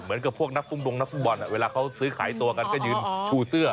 เหมือนกับพวกนักฟุ้งดงนักฟุตบอลเวลาเขาซื้อขายตัวกันก็ยืนชูเสื้อ